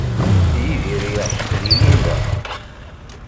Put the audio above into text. Yidir yeɛceq di Linda.